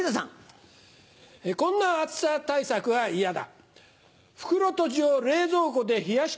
こんな暑さ対策は嫌だ。